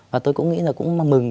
và tôi cũng nghĩ là cũng mừng